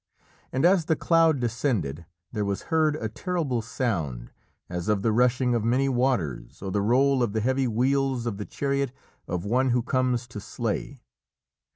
And as the cloud descended, there was heard a terrible sound, as of the rushing of many waters or the roll of the heavy wheels of the chariot of one who comes to slay.